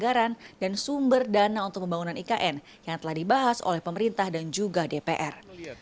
anggaran dan sumber dana untuk pembangunan ikn yang telah dibahas oleh pemerintah dan juga dpr